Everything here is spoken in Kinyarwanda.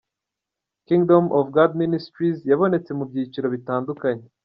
Kingdom Of God Ministries yabonetse mu byiciro bitandukanye.